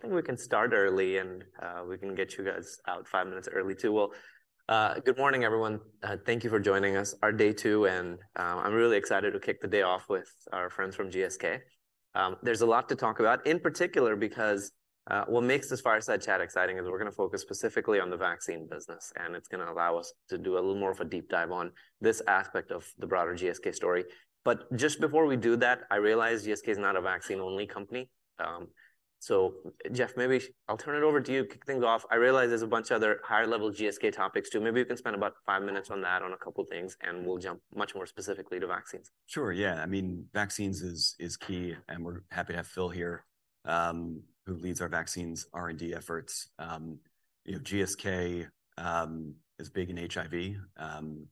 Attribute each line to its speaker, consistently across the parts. Speaker 1: I think we can start early, and we can get you guys out five minutes early too. Well, good morning, everyone. Thank you for joining us, our day two, and I'm really excited to kick the day off with our friends from GSK. There's a lot to talk about, in particular because what makes this fireside chat exciting is we're gonna focus specifically on the vaccine business, and it's gonna allow us to do a little more of a deep dive on this aspect of the broader GSK story. But just before we do that, I realize GSK is not a vaccine-only company. So Jeff, maybe I'll turn it over to you, kick things off. I realize there's a bunch of other higher-level GSK topics, too. Maybe you can spend about five minutes on that on a couple things, and we'll jump much more specifically to vaccines.
Speaker 2: Sure, yeah. I mean, vaccines is key, and we're happy to have Phil here, who leads our vaccines R&D efforts. You know, GSK is big in HIV,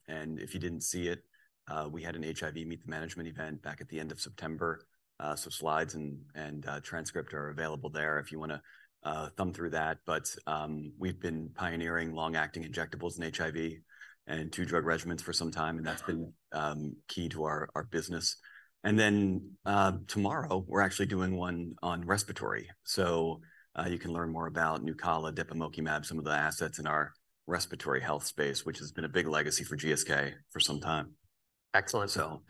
Speaker 2: and if you didn't see it, we had an HIV Meet the Management event back at the end of September. So slides and transcript are available there if you wanna thumb through that. But we've been pioneering long-acting injectables in HIV and two-drug regimens for some time, and that's been key to our business. And then, tomorrow, we're actually doing one on respiratory. So you can learn more about Nucala, depemokimab, some of the assets in our respiratory health space, which has been a big legacy for GSK for some time.
Speaker 1: Excellent.
Speaker 2: So...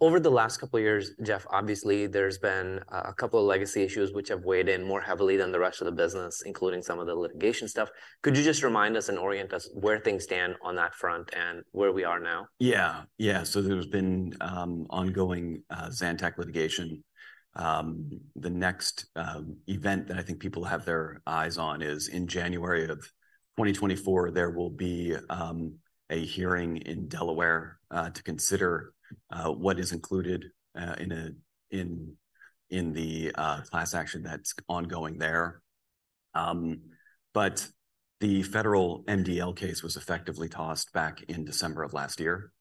Speaker 1: Over the last couple of years, Jeff, obviously, there's been a couple of legacy issues which have weighed in more heavily than the rest of the business, including some of the litigation stuff. Could you just remind us and orient us where things stand on that front and where we are now?
Speaker 2: Yeah, so there's been ongoing Zantac litigation. The next event that I think people have their eyes on is in January 2024, there will be a hearing in Delaware to consider what is included in the class action that's ongoing there. But the federal MDL case was effectively tossed back in December of last year,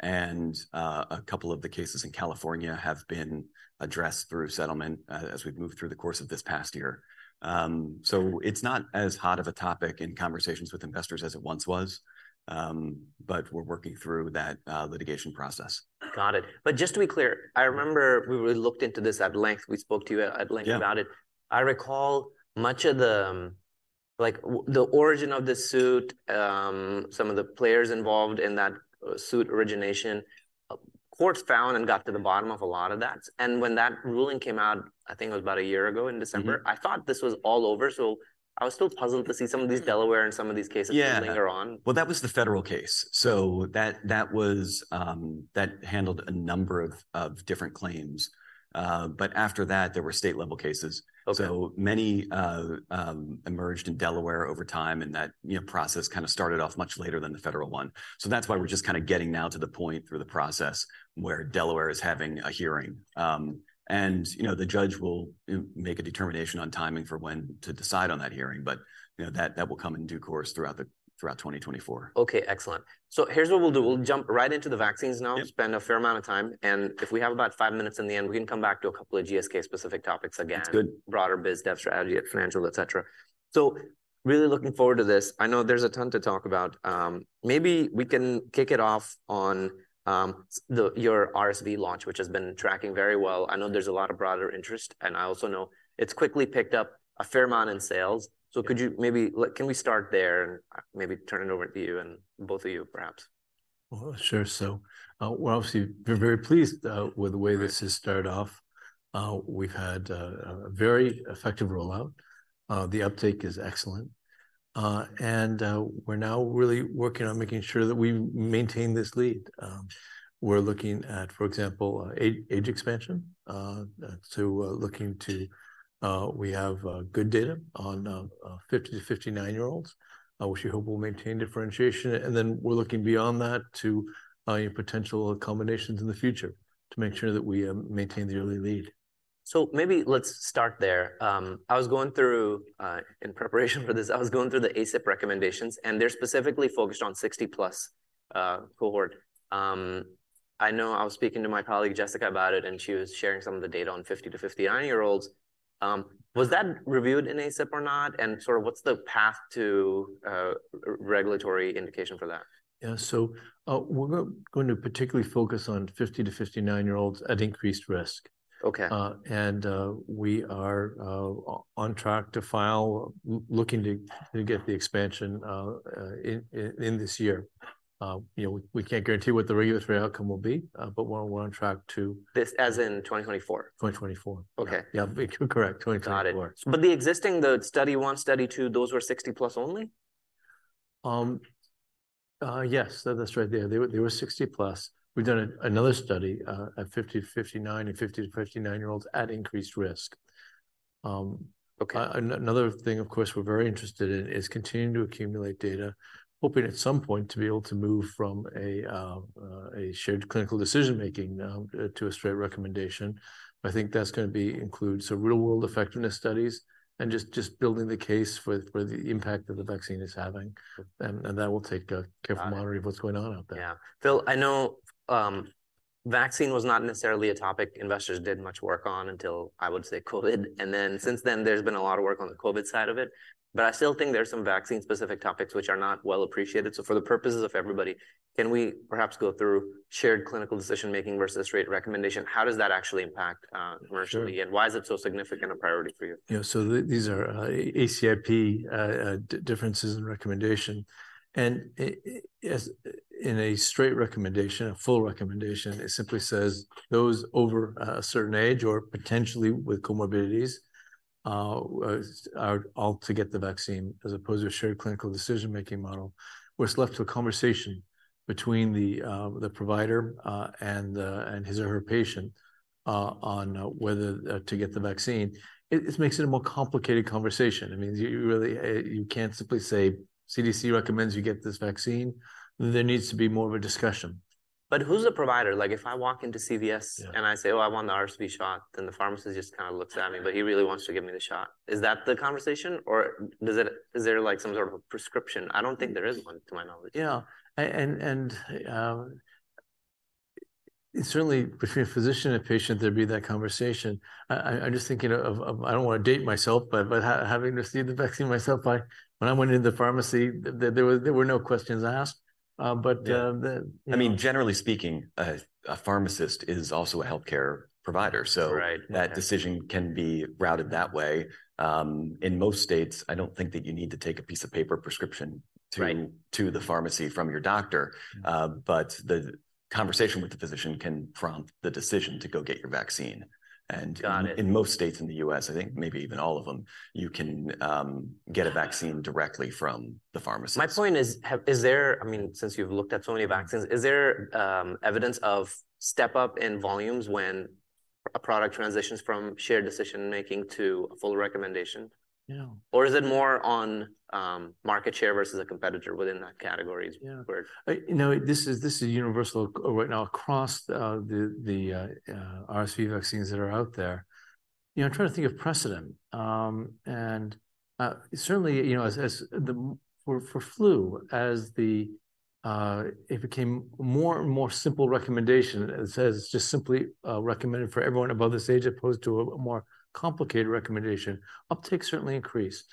Speaker 2: and a couple of the cases in California have been addressed through settlement as we've moved through the course of this past year. So it's not as hot of a topic in conversations with investors as it once was, but we're working through that litigation process.
Speaker 1: Got it. But just to be clear, I remember we really looked into this at length. We spoke to you at length about it.
Speaker 2: Yeah.
Speaker 1: I recall much of the, like, the origin of the suit, some of the players involved in that suit origination, courts found and got to the bottom of a lot of that. When that ruling came out, I think it was about a year ago in December, I thought this was all over, so I was still puzzled to see some of these Delaware and some of these cases-
Speaker 2: Yeah...
Speaker 1: later on.
Speaker 2: Well, that was the federal case. So that was. That handled a number of different claims. But after that, there were state-level cases.
Speaker 1: Okay.
Speaker 2: So many emerged in Delaware over time, and that, you know, process kind of started off much later than the federal one. So that's why we're just kind of getting now to the point through the process where Delaware is having a hearing. And, you know, the judge will make a determination on timing for when to decide on that hearing, but, you know, that, that will come in due course throughout 2024.
Speaker 1: Okay, excellent. Here's what we'll do: We'll jump right into the vaccines now.
Speaker 2: Yep.
Speaker 1: Spend a fair amount of time, and if we have about five minutes in the end, we can come back to a couple of GSK-specific topics again.
Speaker 2: It's good.
Speaker 1: Broader biz dev strategy, financial, et cetera. So really looking forward to this. I know there's a ton to talk about. Maybe we can kick it off on your RSV launch, which has been tracking very well. I know there's a lot of broader interest, and I also know it's quickly picked up a fair amount in sales. So could you maybe... Like, can we start there and maybe turn it over to you, and both of you, perhaps?
Speaker 3: Oh, sure. So, we're obviously, we're very pleased with the way this has started off. We've had a very effective rollout. The uptake is excellent, and we're now really working on making sure that we maintain this lead. We're looking at, for example, age expansion, so, looking to... We have good data on 50-59-year-olds, which we hope will maintain differentiation, and then we're looking beyond that to potential combinations in the future to make sure that we maintain the early lead.
Speaker 1: So maybe let's start there. I was going through, in preparation for this, I was going through the ACIP recommendations, and they're specifically focused on 60+ cohort. I know I was speaking to my colleague, Jessica, about it, and she was sharing some of the data on 50- to 59-year-olds. Was that reviewed in ACIP or not? And sort of what's the path to regulatory indication for that?
Speaker 3: Yeah. So, we're going to particularly focus on 50-59-year-olds at increased risk.
Speaker 1: Okay.
Speaker 3: And we are on track to file, looking to get the expansion in this year. You know, we can't guarantee what the regulatory outcome will be, but we're on track to-
Speaker 1: This as in 2024?
Speaker 3: 2024.
Speaker 1: Okay.
Speaker 3: Correct, 2024.
Speaker 1: Got it. But the existing, the study one, study two, those were 60+ only?
Speaker 3: Yes, that's right. Yeah, they were 60+. We've done another study at 50-59 and 50-59-year-olds at increased risk.
Speaker 1: Okay.
Speaker 3: Another thing, of course, we're very interested in is continuing to accumulate data, hoping at some point to be able to move from a shared clinical decision-making to a straight recommendation. I think that's gonna be include so real-world effectiveness studies and just building the case for the impact that the vaccine is having. And that will take a careful monitoring-
Speaker 1: Got it...
Speaker 3: of what's going on out there.
Speaker 1: Yeah. Phil, I know, vaccine was not necessarily a topic investors did much work on until, I would say, COVID. And then since then, there's been a lot of work on the COVID side of it. But I still think there are some vaccine-specific topics which are not well appreciated. So for the purposes of everybody, can we perhaps go through shared clinical decision-making versus straight recommendation? How does that actually impact commercially?
Speaker 3: Sure.
Speaker 1: And why is it so significant a priority for you?
Speaker 3: Yeah, so these are ACIP differences in recommendation. In a straight recommendation, a full recommendation, it simply says, "Those over a certain age or potentially with comorbidities are all to get the vaccine," as opposed to a shared clinical decision-making model, where it's left to a conversation between the provider and his or her patient on whether to get the vaccine. It makes it a more complicated conversation. I mean, you really you can't simply say, "CDC recommends you get this vaccine." There needs to be more of a discussion.
Speaker 1: But who's a provider? Like, if I walk into CVS-
Speaker 3: Yeah...
Speaker 1: and I say, "Oh, I want the RSV shot," then the pharmacist just kind of looks at me, but he really wants to give me the shot. Is that the conversation, or does it, is there, like, some sort of a prescription? I don't think there is one, to my knowledge.
Speaker 3: Yeah. And certainly between a physician and patient, there'd be that conversation. I'm just thinking of—I don't want to date myself, but having received the vaccine myself, I—when I went into the pharmacy, there were no questions asked. But the-
Speaker 2: I mean, generally speaking, a pharmacist is also a healthcare provider.
Speaker 3: Right.
Speaker 2: That decision can be routed that way. In most states, I don't think that you need to take a piece of paper prescription to-
Speaker 3: Right...
Speaker 2: to the pharmacy from your doctor. But the conversation with the physician can prompt the decision to go get your vaccine. And-
Speaker 1: Got it...
Speaker 2: in most states in the U.S., I think maybe even all of them, you can get a vaccine directly from the pharmacist.
Speaker 1: My point is, is there? I mean, since you've looked at so many vaccines, is there evidence of step-up in volumes when a product transitions from shared decision-making to a full recommendation?
Speaker 3: Yeah.
Speaker 1: Or is it more on market share versus a competitor within that category is where-
Speaker 3: Yeah. You know, this is universal right now across the RSV vaccines that are out there. You know, I'm trying to think of precedent. Certainly, you know, as it became more and more simple recommendation, it says it's just simply recommended for everyone above this age, as opposed to a more complicated recommendation, uptake certainly increased.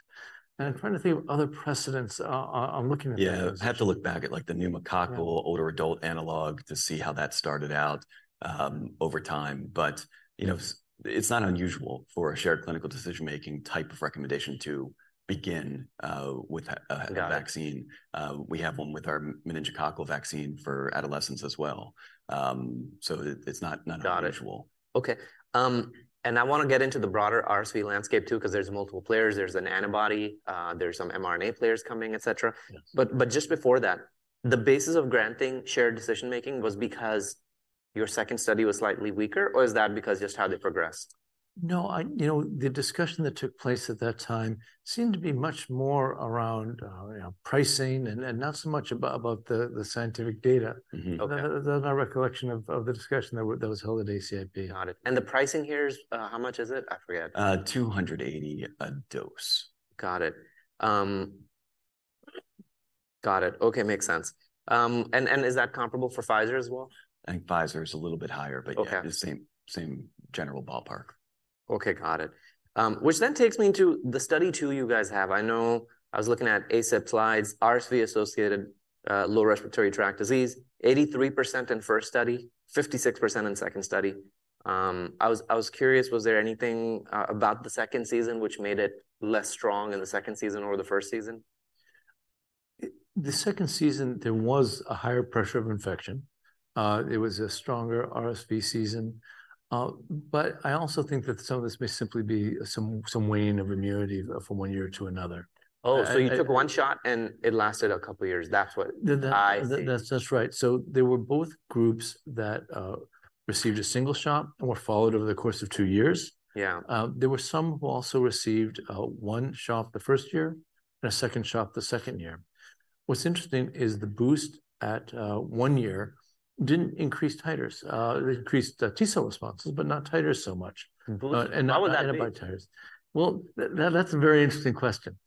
Speaker 3: And I'm trying to think of other precedents. I'm looking at-
Speaker 2: Yeah. I'd have to look back at, like, the pneumococcal-
Speaker 3: Yeah...
Speaker 2: older adult analog to see how that started out over time. But, you know, it's not unusual for a shared clinical decision-making type of recommendation to begin with a vaccine.
Speaker 3: Got it.
Speaker 2: We have one with our meningococcal vaccine for adolescents as well. So it's not unusual.
Speaker 1: Got it. Okay. And I want to get into the broader RSV landscape, too, 'cause there's multiple players. There's an antibody, there's some mRNA players coming, et cetera.
Speaker 3: Yes.
Speaker 1: But just before that, the basis of granting shared decision-making was because your second study was slightly weaker, or is that because just how they progressed?
Speaker 3: No, you know, the discussion that took place at that time seemed to be much more around, you know, pricing and not so much about the scientific data. So that's my recollection of the discussion that was held at ACIP.
Speaker 1: Got it. And the pricing here is, how much is it? I forget.
Speaker 2: 280 a dose.
Speaker 1: Got it. Got it. Okay, makes sense. And is that comparable for Pfizer as well?
Speaker 2: I think Pfizer is a little bit higher, but-
Speaker 1: Okay...
Speaker 2: yeah, the same general ballpark.
Speaker 1: Okay, got it. Which then takes me into the study, too, you guys have. I know, I was looking at ACIP slides, RSV-associated lower respiratory tract disease, 83% in first study, 56% in second study. I was curious, was there anything about the second season which made it less strong in the second over the first season?
Speaker 3: The second season, there was a higher pressure of infection. It was a stronger RSV season. But I also think that some of this may simply be some waning of immunity from one year to another.
Speaker 1: Oh, so you took one shot, and it lasted a couple of years. That's what-
Speaker 3: That-
Speaker 1: I think.
Speaker 3: That's right. So there were both groups that received a single shot and were followed over the course of two years.
Speaker 1: Yeah.
Speaker 3: There were some who also received one shot the first year and a second shot the second year. What's interesting is the boost at one year didn't increase titers. It increased T cell responses, but not titers so much-
Speaker 1: Interesting....
Speaker 3: and not-
Speaker 1: Why would that be?...
Speaker 3: antibody titers. Well, that's a very interesting question.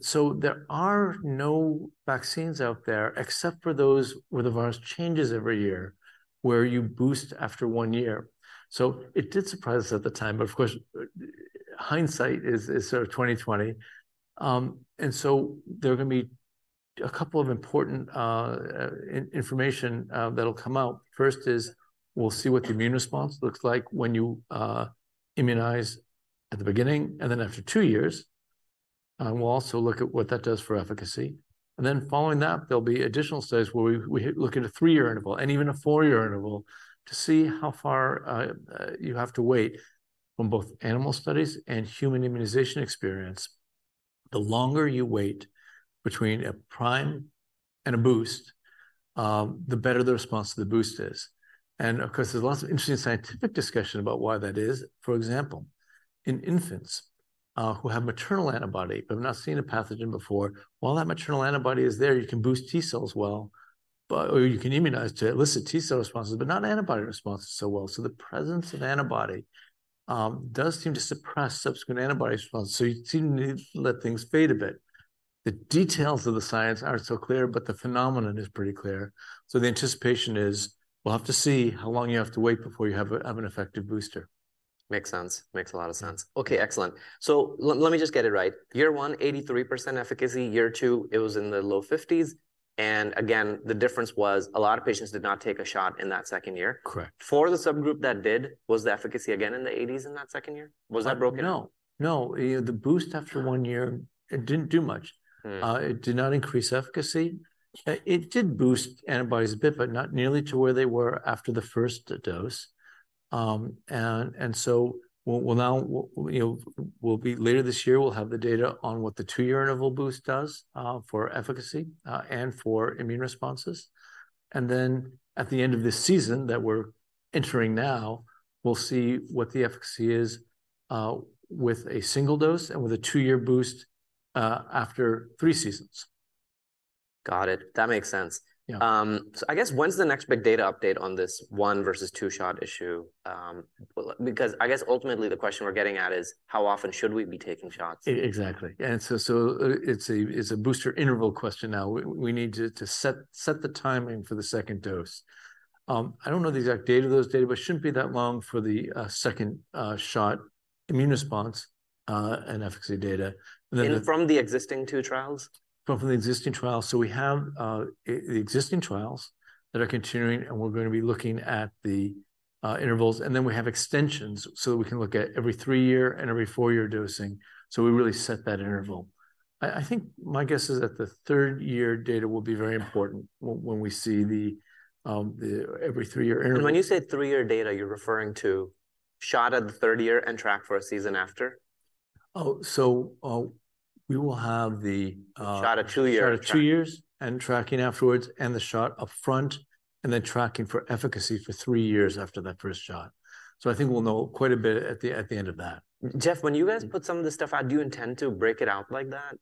Speaker 3: So there are no vaccines out there, except for those where the virus changes every year, where you boost after one year. So it did surprise us at the time, but of course, hindsight is sort of 20/20. And so there are gonna be a couple of important information that'll come out. First is, we'll see what the immune response looks like when you immunize at the beginning and then after two years. We'll also look at what that does for efficacy. And then, following that, there'll be additional studies where we look at a three-year interval and even a four-year interval to see how far you have to wait. From both animal studies and human immunization experience, the longer you wait between a prime and a boost, the better the response to the boost is. And of course, there's lots of interesting scientific discussion about why that is. For example, in infants, who have maternal antibody but have not seen a pathogen before, while that maternal antibody is there, you can boost T cells well, or you can immunize to elicit T cell responses, but not antibody responses so well. So the presence of antibody does seem to suppress subsequent antibody response, so you seem to let things fade a bit. The details of the science aren't so clear, but the phenomenon is pretty clear. So the anticipation is, we'll have to see how long you have to wait before you have an effective booster.
Speaker 1: Makes sense. Makes a lot of sense. Okay, excellent. So let me just get it right. Year one, 83% efficacy, year two, it was in the low 50s, and again, the difference was a lot of patients did not take a shot in that second year?
Speaker 3: Correct.
Speaker 1: For the subgroup that did, was the efficacy again in the 80s in that second year? Was that broken?
Speaker 3: No. The boost after one year-
Speaker 1: Sure....
Speaker 3: it didn't do much. It did not increase efficacy. It did boost antibodies a bit, but not nearly to where they were after the first dose. So we'll now, you know, we'll be later this year, we'll have the data on what the two-year interval boost does for efficacy and for immune responses. And then, at the end of this season that we're entering now, we'll see what the efficacy is with a single dose and with a two-year boost after three seasons.
Speaker 1: Got it. That makes sense.
Speaker 3: Yeah.
Speaker 1: So I guess, when's the next big data update on this one versus two-shot issue? Well, because I guess ultimately, the question we're getting at is, how often should we be taking shots?
Speaker 3: Exactly. And so, it's a booster interval question now. We need to set the timing for the second dose. I don't know the exact date of those data, but it shouldn't be that long for the second shot immune response and efficacy data. Then-
Speaker 1: From the existing two trials?
Speaker 3: From the existing trials. So we have the existing trials that are continuing, and we're going to be looking at the intervals, and then we have extensions, so we can look at every three-year and every four-year dosing. So we really set that interval. I think my guess is that the third-year data will be very important when we see the every three-year interval.
Speaker 1: When you say three-year data, you're referring to shot at the third year and track for a season after?
Speaker 3: Oh, so, we will have the-
Speaker 1: Shot at two year?
Speaker 3: Shot at two years and tracking afterwards, and the shot up front, and then tracking for efficacy for three years after that first shot. So I think we'll know quite a bit at the end of that.
Speaker 1: Jeff, when you guys put some of this stuff out, do you intend to break it out like that?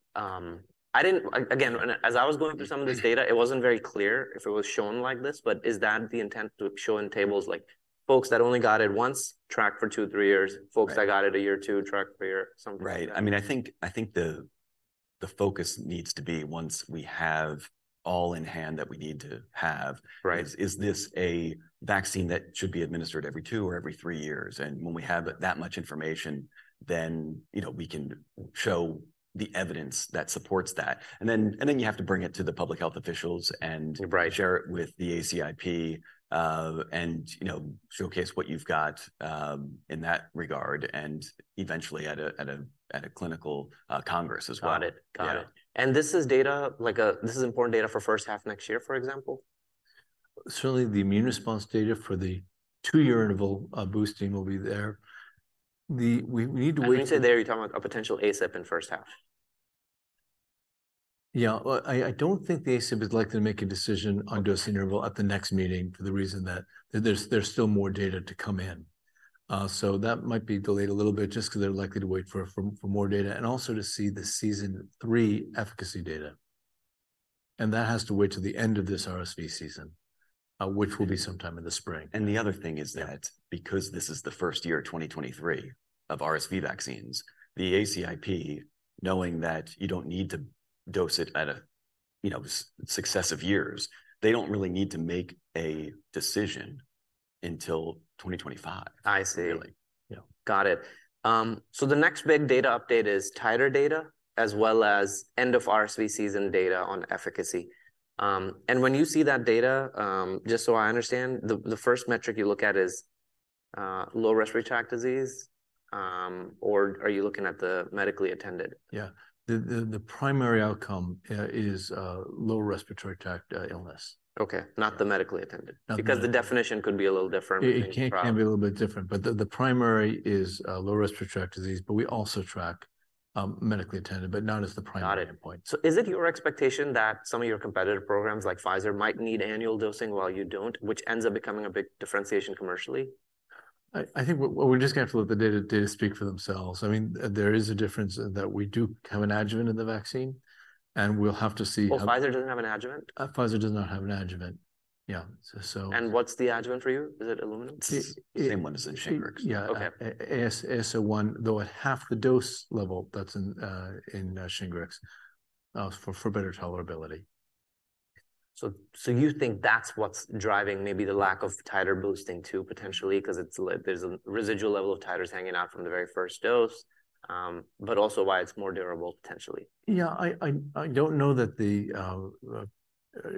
Speaker 1: I didn't again, and as I was going through some of this data, it wasn't very clear if it was shown like this, but is that the intent, to show in tables, like folks that only got it once, track for two, three years-
Speaker 2: Right.
Speaker 1: Folks that got it at year two, track for a year, something like that?
Speaker 2: Right. I mean, I think, the focus needs to be, once we have all in hand that we need to have-
Speaker 1: Right...
Speaker 2: is this a vaccine that should be administered every two or every three years? And when we have that much information, then, you know, we can show the evidence that supports that. And then you have to bring it to the public health officials and-
Speaker 1: Right....
Speaker 2: share it with the ACIP, and, you know, showcase what you've got in that regard, and eventually at a clinical congress as well.
Speaker 1: Got it.
Speaker 2: Yeah.
Speaker 1: This is data, like, this is important data for first half next year, for example?
Speaker 3: Certainly, the immune response data for the two-year interval boosting will be there. We need to wait-
Speaker 1: When you say there, you're talking about a potential ACIP in first half?
Speaker 3: Yeah. Well, I don't think the ACIP is likely to make a decision-
Speaker 1: Okay...
Speaker 3: on dose interval at the next meeting for the reason that there's still more data to come in. So that might be delayed a little bit just 'cause they're likely to wait for more data, and also to see the season three efficacy data, and that has to wait till the end of this RSV season, which will be sometime in the spring.
Speaker 2: The other thing is that because this is the first year, 2023, of RSV vaccines, the ACIP, knowing that you don't need to dose it at a, you know, successive years, they don't really need to make a decision until 2025-
Speaker 1: I see...
Speaker 2: really. Yeah.
Speaker 1: Got it. So the next big data update is titer data, as well as end-of-RSV season data on efficacy. And when you see that data, just so I understand, the first metric you look at is lower respiratory tract disease, or are you looking at the medically attended?
Speaker 3: Yeah. The primary outcome is lower respiratory tract illness.
Speaker 1: Okay.
Speaker 3: Yeah.
Speaker 1: Not the medically attended?
Speaker 3: Not the-
Speaker 1: Because the definition could be a little different between the trial.
Speaker 3: It can be a little bit different, but the primary is lower respiratory tract disease, but we also track medically attended, but not as the primary-
Speaker 1: Got it....
Speaker 3: endpoint.
Speaker 1: Is it your expectation that some of your competitive programs, like Pfizer, might need annual dosing while you don't, which ends up becoming a big differentiation commercially?
Speaker 3: I think what we're just going to let the data speak for themselves. I mean, there is a difference in that we do have an adjuvant in the vaccine, and we'll have to see-
Speaker 1: Well, Pfizer doesn't have an adjuvant?
Speaker 3: Pfizer does not have an adjuvant. Yeah, so-
Speaker 1: What's the adjuvant for you? Is it aluminum?
Speaker 2: Same one as in SHINGRIX.
Speaker 3: Yeah.
Speaker 1: Okay.
Speaker 3: AS01, though at half the dose level that's in SHINGRIX, for better tolerability.
Speaker 1: So you think that's what's driving maybe the lack of titer boosting, too, potentially, 'cause it's, there's a residual level of titers hanging out from the very first dose, but also why it's more durable, potentially?
Speaker 3: Yeah, I don't know that the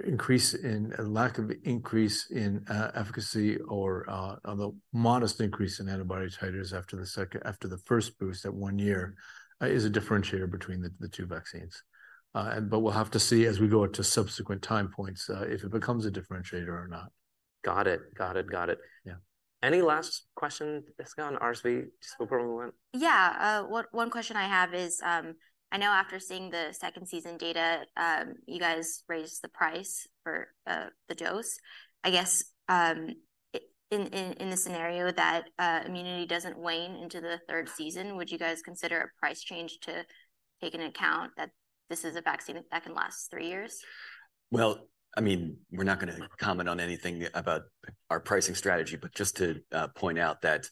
Speaker 3: increase in lack of increase in efficacy or the modest increase in antibody titers after the first boost at one year is a differentiator between the two vaccines. But we'll have to see as we go to subsequent time points if it becomes a differentiator or not.
Speaker 1: Got it.
Speaker 3: Yeah.
Speaker 1: Any last questions, Jessica, on RSV before we move on?
Speaker 4: Yeah, one question I have is, I know after seeing the second season data, you guys raised the price for the dose. I guess, in the scenario that immunity doesn't wane into the third season, would you guys consider a price change to take into account that this is a vaccine that can last three years?
Speaker 2: Well, I mean, we're not gonna comment on anything about our pricing strategy, but just to point out that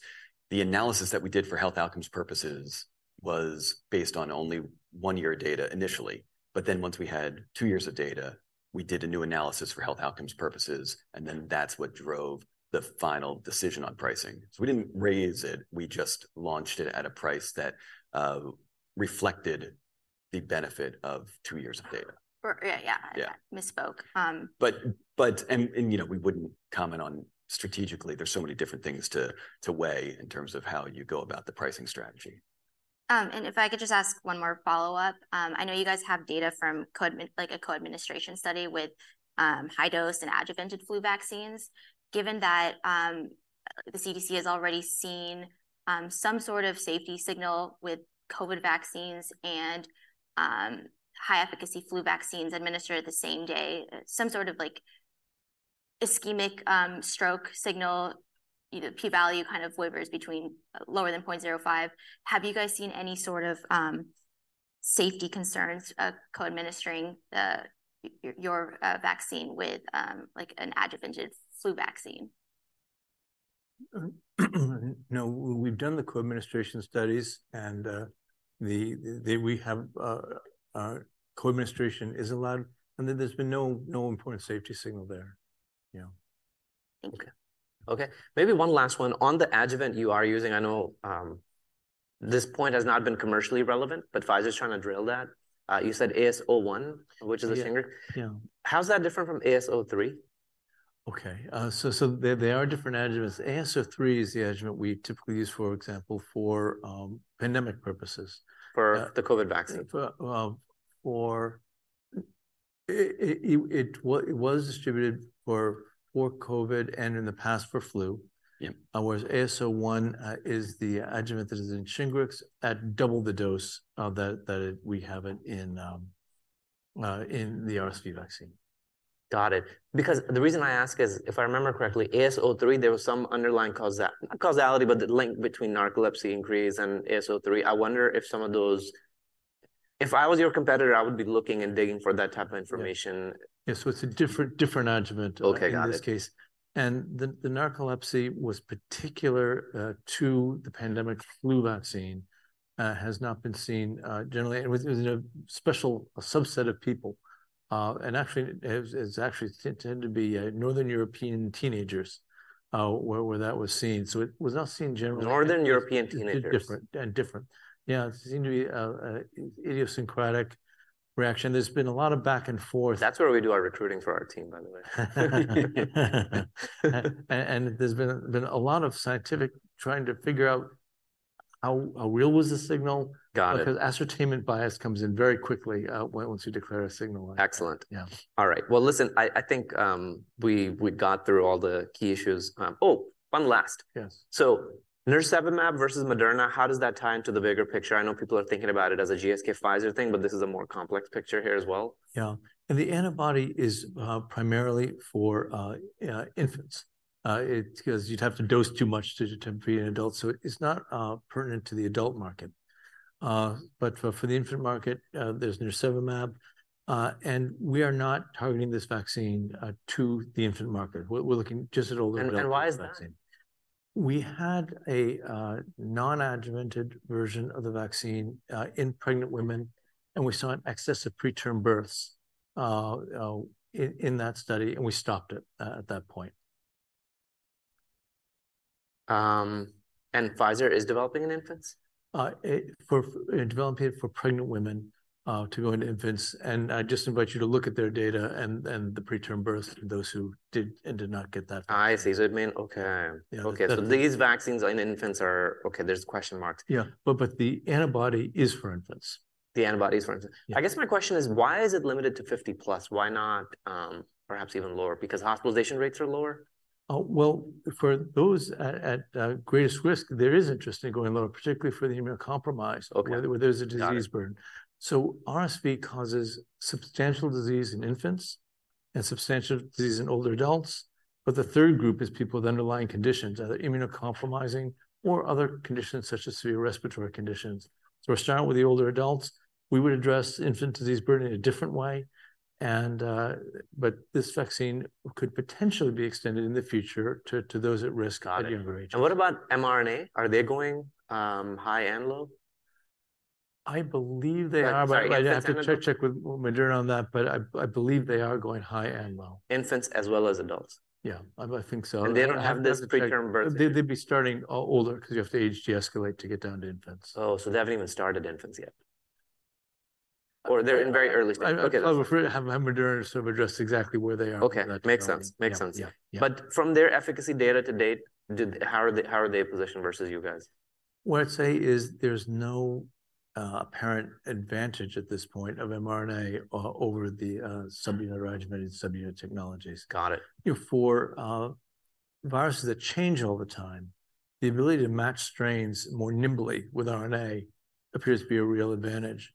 Speaker 2: the analysis that we did for health outcomes purposes was based on only one year of data initially, but then once we had two years of data, we did a new analysis for health outcomes purposes, and then that's what drove the final decision on pricing. So we didn't raise it, we just launched it at a price that reflected the benefit of two years of data.
Speaker 4: Right. Yeah.
Speaker 2: Yeah.
Speaker 4: Misspoke. Um-
Speaker 2: You know, we wouldn't comment on... Strategically, there's so many different things to weigh in terms of how you go about the pricing strategy.
Speaker 4: If I could just ask one more follow-up. I know you guys have data from a co-administration study with high-dose and adjuvanted flu vaccines. Given that, the CDC has already seen some sort of safety signal with COVID vaccines and high-efficacy flu vaccines administered the same day, some sort of, like, ischemic stroke signal, you know, p-value kind of wavers between lower than 0.05. Have you guys seen any sort of safety concerns of co-administering your vaccine with like an adjuvanted flu vaccine?
Speaker 3: No, we've done the co-administration studies, and we have co-administration is allowed, and then there's been no important safety signal there. Yeah.
Speaker 4: Thank you.
Speaker 1: Okay, maybe one last one. On the adjuvant you are using, I know, this point has not been commercially relevant, but Pfizer's trying to drill that. You said AS01, which is SHINGRIX.
Speaker 3: Yeah.
Speaker 1: How's that different from AS03?
Speaker 3: Okay, so they are different adjuvants. AS03 is the adjuvant we typically use, for example, for pandemic purposes.
Speaker 1: For the COVID vaccine.
Speaker 3: It was distributed for COVID and in the past for flu.
Speaker 1: Yeah.
Speaker 3: Whereas AS01 is the adjuvant that is in SHINGRIX at double the dose of that, that we have it in, in the RSV vaccine.
Speaker 1: Got it. Because the reason I ask is, if I remember correctly, AS03, there was some underlying not causality, but the link between narcolepsy increase and AS03. I wonder if some of those... If I was your competitor, I would be looking and digging for that type of information.
Speaker 3: Yeah. So it's a different adjuvant-
Speaker 1: Okay, got it....
Speaker 3: in this case. The narcolepsy was particular to the pandemic flu vaccine, has not been seen generally. It was in a special subset of people, and actually, it actually tended to be northern European teenagers where that was seen. So it was not seen generally-
Speaker 1: Northern European teenagers.
Speaker 3: Different and different. Yeah, it seemed to be a idiosyncratic reaction. There's been a lot of back and forth.
Speaker 1: That's where we do our recruiting for our team, by the way.
Speaker 3: And there's been a lot of scientific trying to figure out how real was the signal?
Speaker 1: Got it.
Speaker 3: Because ascertainment bias comes in very quickly, once you declare a signal.
Speaker 1: Excellent.
Speaker 3: Yeah.
Speaker 1: All right. Well, listen, I think we got through all the key issues. Oh, one last.
Speaker 3: Yes.
Speaker 1: Nirsevimab versus Moderna, how does that tie into the bigger picture? I know people are thinking about it as a GSK Pfizer thing, but this is a more complex picture here as well.
Speaker 3: Yeah. And the antibody is primarily for infants. It's because you'd have to dose too much to treat an adult, so it's not pertinent to the adult market. But for the infant market, there's nirsevimab, and we are not targeting this vaccine to the infant market. We're looking just at older-
Speaker 1: Why is that?
Speaker 3: We had a non-adjuvanted version of the vaccine in pregnant women, and we saw an excess of preterm births in that study, and we stopped it at that point.
Speaker 1: Pfizer is developing in infants?
Speaker 3: They're developing it for pregnant women, to go into infants, and I'd just invite you to look at their data and the preterm births, those who did and did not get that.
Speaker 1: I see. So it mean... Okay.
Speaker 3: Yeah.
Speaker 1: Okay.
Speaker 3: So-
Speaker 1: So these vaccines in infants are. Okay, there's question marks.
Speaker 3: Yeah. But the antibody is for infants.
Speaker 1: The antibody is for infants.
Speaker 3: Yeah.
Speaker 1: I guess, my question is, why is it limited to 50 plus? Why not, perhaps even lower? Because hospitalization rates are lower?
Speaker 3: Well, for those at greatest risk, there is interest in going lower, particularly for the immunocompromised-
Speaker 1: Okay....
Speaker 3: where there's a disease burden.
Speaker 1: Got it.
Speaker 3: So RSV causes substantial disease in infants and substantial disease in older adults, but the third group is people with underlying conditions, either immunocompromising or other conditions, such as severe respiratory conditions. We're starting with the older adults. We would address infant disease burden in a different way, and but this vaccine could potentially be extended in the future to those at risk-
Speaker 1: Got it....
Speaker 3: at younger ages.
Speaker 1: What about mRNA? Are they going high and low?
Speaker 3: I believe they are.
Speaker 1: Sorry-
Speaker 3: I'd have to check with Moderna on that, but I believe they are going high and low.
Speaker 1: Infants as well as adults?
Speaker 3: Yeah, I think so.
Speaker 1: And they don't have-
Speaker 3: I'd have to check....
Speaker 1: this preterm birth.
Speaker 3: They'd be starting older, because you have to age de-escalate to get down to infants.
Speaker 1: Oh, so they haven't even started infants yet, or they're in very early stage. Okay.
Speaker 3: I'll have Moderna sort of address exactly where they are on that.
Speaker 1: Okay.
Speaker 3: Makes sense.
Speaker 1: Makes sense.
Speaker 3: Yeah.
Speaker 1: But from their efficacy data to date, how are they positioned versus you guys?
Speaker 3: What I'd say is there's no apparent advantage at this point of mRNA over the subunit or adjuvanted subunit technologies.
Speaker 1: Got it.
Speaker 3: You know, for viruses that change over time, the ability to match strains more nimbly with RNA appears to be a real advantage.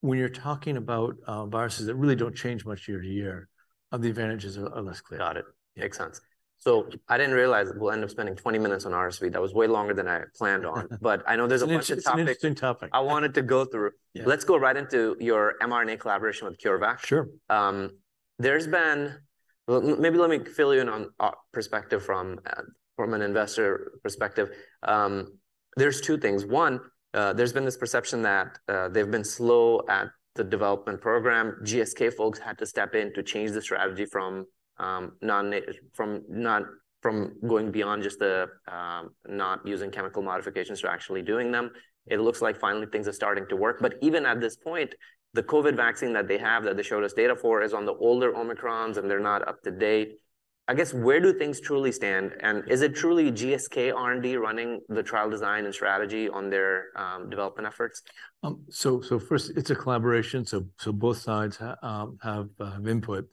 Speaker 3: When you're talking about viruses that really don't change much year to year, the advantages are less clear.
Speaker 1: Got it. Makes sense. So I didn't realize we'll end up spending 20 minutes on RSV. That was way longer than I had planned on. But I know there's a bunch of topics-
Speaker 3: It's an interesting topic....
Speaker 1: I wanted to go through.
Speaker 3: Yeah.
Speaker 1: Let's go right into your mRNA collaboration with CureVac.
Speaker 3: Sure.
Speaker 1: Well, maybe let me fill you in on a perspective from an investor perspective. There's two things. One, there's been this perception that they've been slow at the development program. GSK folks had to step in to change the strategy from not using chemical modifications to actually doing them. It looks like finally things are starting to work. But even at this point, the COVID vaccine that they have, that they showed us data for, is on the older Omicrons, and they're not up to date. I guess, where do things truly stand? And is it truly GSK R&D running the trial design and strategy on their development efforts?
Speaker 3: So, first, it's a collaboration, so both sides have input.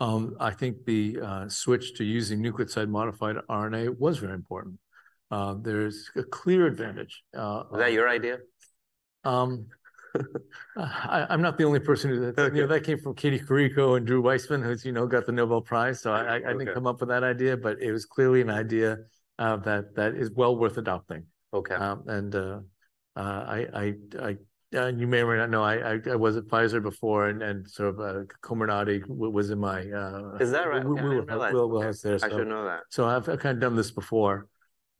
Speaker 3: I think the switch to using nucleoside-modified RNA was very important. There's a clear advantage.
Speaker 1: Was that your idea?
Speaker 3: I'm not the only person who-
Speaker 1: Okay.
Speaker 3: You know, that came from Katalin Karikó and Drew Weissman, who's, you know, got the Nobel Prize.
Speaker 1: Okay.
Speaker 3: So I didn't come up with that idea, but it was clearly an idea that is well worth adopting.
Speaker 1: Okay.
Speaker 3: You may or may not know, I was at Pfizer before, and sort of, COMIRNATY was in my-
Speaker 1: Is that right?
Speaker 3: We were well versed there, so-
Speaker 1: I should know that.
Speaker 3: So I've kind of done this before-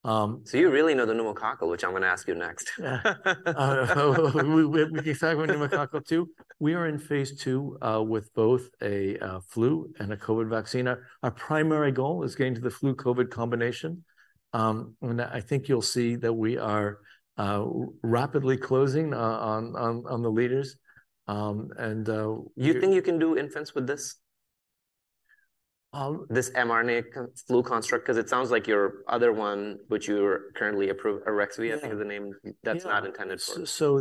Speaker 1: So you really know the pneumococcal, which I'm gonna ask you next.
Speaker 3: Yeah. We can talk about pneumococcal, too. We are in phase II with both a flu and a COVID vaccine. Our primary goal is getting to the flu-COVID combination. And I think you'll see that we are rapidly closing on the leaders.
Speaker 1: You think you can do infants with this?
Speaker 3: Um-
Speaker 1: This mRNA combo flu construct, 'cause it sounds like your other one, which you're currently approved, AREXVY-
Speaker 3: Yeah....
Speaker 1: I think is the name, that's not intended for-
Speaker 3: Yeah. So,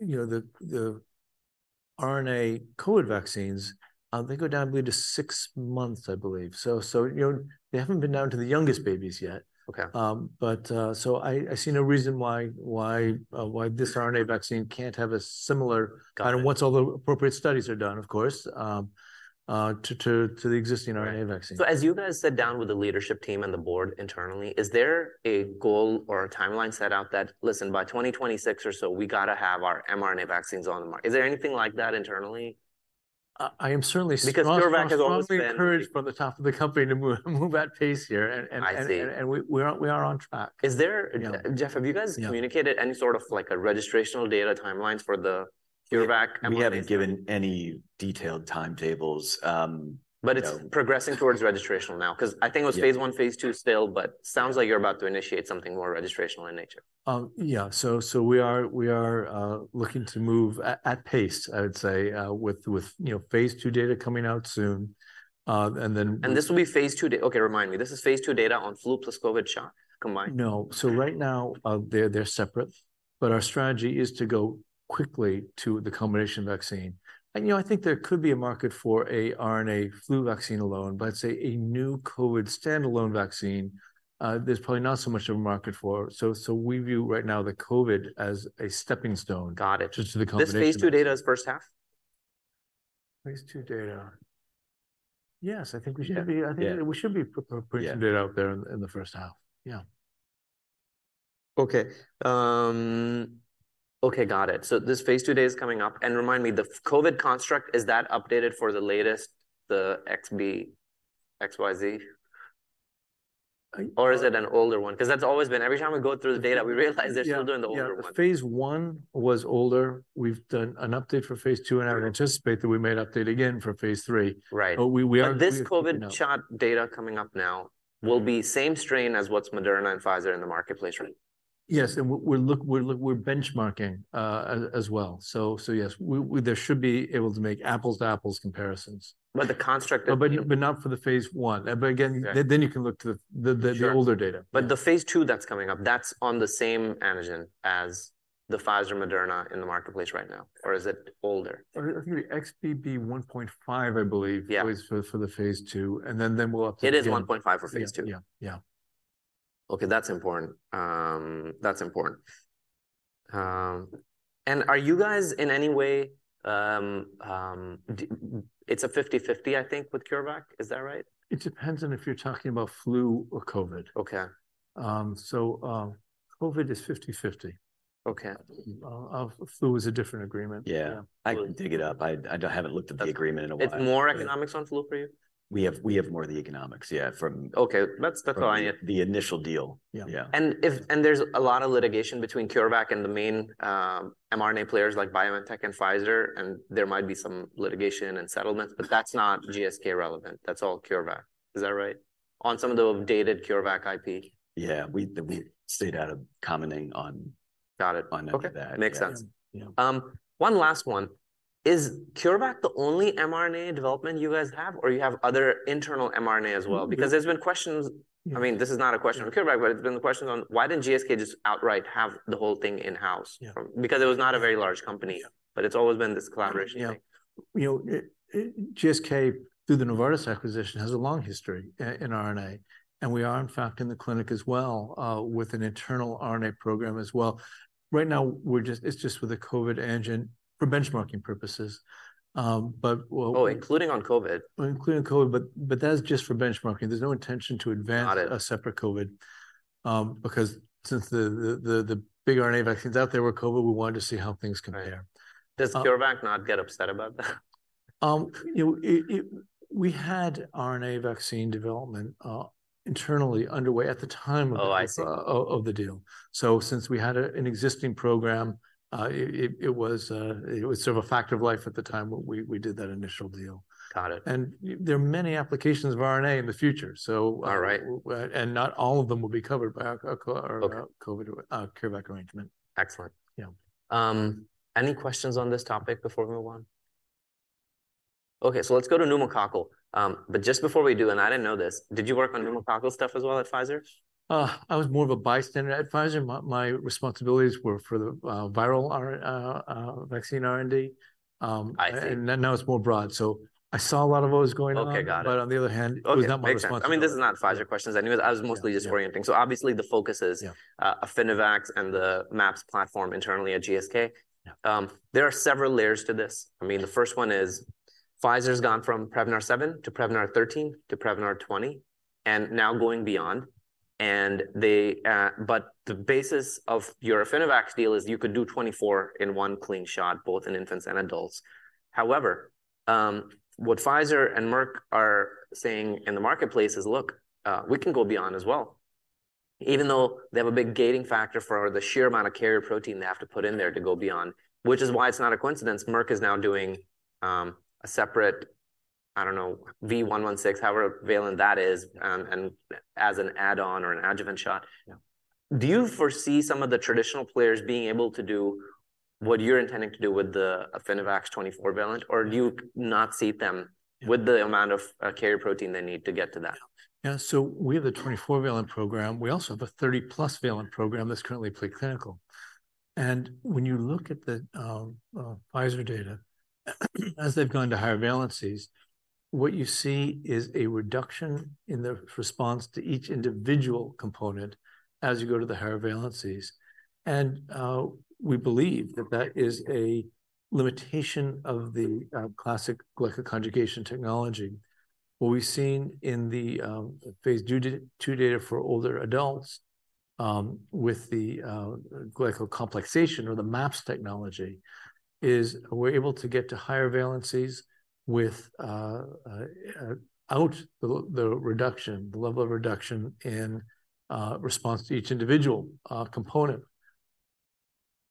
Speaker 3: you know, the RNA COVID vaccines, they go down, I believe, to six months, I believe. So, you know, they haven't been down to the youngest babies yet.
Speaker 1: Okay.
Speaker 3: I see no reason why this RNA vaccine can't have a similar-
Speaker 1: Got it...
Speaker 3: once all the appropriate studies are done, of course, to the existing RNA vaccine.
Speaker 1: So as you guys sit down with the leadership team and the board internally, is there a goal or a timeline set out that, "Listen, by 2026 or so, we got to have our mRNA vaccines on the market"? Is there anything like that internally?
Speaker 3: I am certainly strong-
Speaker 1: Because CureVac has always been-...
Speaker 3: strongly encouraged from the top of the company to move at pace here, and-
Speaker 1: I see....
Speaker 3: and we are on track.
Speaker 1: Is there-
Speaker 3: You know-...
Speaker 1: Jeff, have you guys-
Speaker 3: Yeah....
Speaker 1: communicated any sort of, like, a registrational data timelines for the CureVac mRNA?
Speaker 2: We haven't given any detailed timetables, you know-
Speaker 1: But it's progressing towards registrational now, 'cause I think it was-
Speaker 2: Yeah....
Speaker 1: phase I, phase II still, but sounds like you're about to initiate something more registrational in nature.
Speaker 3: Yeah, so we are looking to move at pace, I would say, with you know, phase II data coming out soon. And then-
Speaker 1: This will be phase II data? Okay, remind me, this is phase II data on flu plus COVID shot combined?
Speaker 3: No.
Speaker 1: Okay.
Speaker 3: So right now, they're separate, but our strategy is to go quickly to the combination vaccine. And, you know, I think there could be a market for a RNA flu vaccine alone, but, say, a new COVID standalone vaccine, there's probably not so much of a market for. So we view right now the COVID as a steppingstone-
Speaker 1: Got it....
Speaker 3: to the combination.
Speaker 1: This phase II data is first half?
Speaker 3: Phase II data... Yes, I think we should be-
Speaker 2: Yeah.
Speaker 3: I think we should be putting-
Speaker 2: Yeah....
Speaker 3: some data out there in the first half. Yeah.
Speaker 1: Okay, got it. So this phase II data is coming up. Remind me, the COVID construct, is that updated for the latest, the XBB.1.5?
Speaker 3: I-
Speaker 1: Or is it an older one? 'Cause that's always been, every time we go through the data, we realize they're still doing the older one.
Speaker 3: Yeah, phase I was older. We've done an update for phase II, and I would anticipate that we may update again for phase III.
Speaker 1: Right.
Speaker 3: But we are-
Speaker 1: But this COVID shot-
Speaker 3: ...you know....
Speaker 1: data coming up now will be same strain as what's Moderna and Pfizer in the marketplace right now?
Speaker 3: Yes, and we're benchmarking as well. So yes, we... there should be able to make apples-to-apples comparisons.
Speaker 1: But the construct of-
Speaker 3: But not for the phase I. But again-
Speaker 1: Yeah....
Speaker 3: then you can look to the older data.
Speaker 1: Sure. But the phase II that's coming up, that's on the same antigen as the Pfizer or Moderna in the marketplace right now, or is it older?
Speaker 3: I think XBB.1.5, I believe-
Speaker 1: Yeah....
Speaker 3: was for the phase II, and then we'll update again.
Speaker 1: It is 1.5 for phase II?
Speaker 3: Yeah.
Speaker 1: Okay, that's important. That's important. And are you guys in any way it's a 50/50, I think, with CureVac, is that right?
Speaker 3: It depends on if you're talking about flu or COVID.
Speaker 1: Okay.
Speaker 3: COVID is 50/50.
Speaker 1: Okay.
Speaker 3: Flu is a different agreement.
Speaker 2: Yeah.
Speaker 3: Yeah.
Speaker 2: I can dig it up. I haven't looked at the agreement in a while.
Speaker 1: It's more economics on flu for you?
Speaker 2: We have more of the economics, yeah, from-
Speaker 1: Okay, that's all I need....
Speaker 2: the initial deal.
Speaker 3: Yeah.
Speaker 2: Yeah.
Speaker 1: And there's a lot of litigation between CureVac and the main mRNA players like BioNTech and Pfizer, and there might be some litigation and settlements, but that's not GSK relevant. That's all CureVac. Is that right? On some of the dated CureVac IP.
Speaker 2: Yeah, we stayed out of commenting on-
Speaker 1: Got it....
Speaker 2: on any of that.
Speaker 1: Okay, makes sense.
Speaker 2: Yeah.
Speaker 1: One last one: Is CureVac the only mRNA development you guys have, or you have other internal mRNA as well? Because there's been questions-
Speaker 3: Yeah.
Speaker 1: I mean, this is not a question on CureVac, but it's been the questions on why didn't GSK just outright have the whole thing in-house?
Speaker 3: Yeah.
Speaker 1: Because it was not a very large company.
Speaker 3: Yeah.
Speaker 1: But it's always been this collaboration thing.
Speaker 3: Yeah. You know, it GSK, through the Novartis acquisition, has a long history in RNA, and we are in fact in the clinic as well, with an internal RNA program as well. Right now, it's just with a COVID antigen for benchmarking purposes. But we'll-
Speaker 1: Oh, including on COVID?
Speaker 3: Including COVID, but that's just for benchmarking. There's no intention to advance-
Speaker 1: Got it....
Speaker 3: a separate COVID. Because since the big RNA vaccines out there were COVID, we wanted to see how things compare.
Speaker 1: Right. Does CureVac not get upset about that?
Speaker 3: You know, we had RNA vaccine development internally underway at the time-
Speaker 1: Oh, I see....
Speaker 3: of the deal. So since we had an existing program, it was sort of a fact of life at the time when we did that initial deal.
Speaker 1: Got it.
Speaker 3: There are many applications of RNA in the future, so-
Speaker 1: All right...
Speaker 3: and not all of them will be covered by our co-
Speaker 1: Okay....
Speaker 3: our COVID, CureVac arrangement.
Speaker 1: Excellent.
Speaker 3: Yeah.
Speaker 1: Any questions on this topic before we move on? Okay, so let's go to pneumococcal. But just before we do, and I didn't know this, did you work on pneumococcal stuff as well at Pfizer?
Speaker 3: I was more of a bystander at Pfizer. My responsibilities were for the viral vaccine R&D.
Speaker 1: I see.
Speaker 3: Now it's more broad. I saw a lot of what was going on-
Speaker 1: Okay, got it....
Speaker 3: but on the other hand, it was not my responsibility.
Speaker 1: Okay, makes sense. I mean, this is not Pfizer questions anyways. I was mostly just orienting.
Speaker 3: Yeah.
Speaker 1: Obviously, the focus is-
Speaker 3: Yeah....
Speaker 1: Affinivax and the MAPS platform internally at GSK.
Speaker 3: Yeah.
Speaker 1: There are several layers to this. I mean, the first one is Pfizer's gone from Prevnar 7 to Prevnar 13 to Prevnar 20, and now going beyond. But the basis of your Affinivax deal is you could do 24 in one clean shot, both in infants and adults. However, what Pfizer and Merck are saying in the marketplace is, "Look, we can go beyond as well," even though they have a big gating factor for the sheer amount of carrier protein they have to put in there to go beyond, which is why it's not a coincidence Merck is now doing a separate, I don't know, V116, however valent that is, and as an add-on or an adjuvant shot.
Speaker 3: Yeah.
Speaker 1: Do you foresee some of the traditional players being able to do what you're intending to do with the Affinivax 24-valent? Or do you not see them-
Speaker 3: Yeah....
Speaker 1: with the amount of carrier protein they need to get to that?
Speaker 3: Yeah, so we have the 24-valent program. We also have a 30+-valent program that's currently pre-clinical. And when you look at the Pfizer data, as they've gone to higher valencies, what you see is a reduction in the response to each individual component as you go to the higher valencies. And we believe that that is a limitation of the classic glycoconjugation technology. What we've seen in the phase II data for older adults with the glycoconjugation, or the MAPS technology, is we're able to get to higher valencies without the reduction, the level of reduction in response to each individual component.